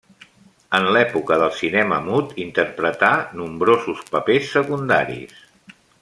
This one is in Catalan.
En l'època del cinema mut interpretà nombrosos papers secundaris.